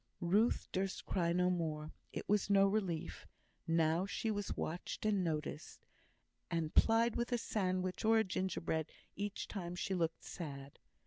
Ruth durst cry no more; it was no relief, now she was watched and noticed, and plied with a sandwich or a gingerbread each time she looked sad.